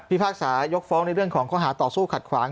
พี่ภาคสาห์ยกฟ้องเรื่องของโครหาต่อสู้ขัดขวาง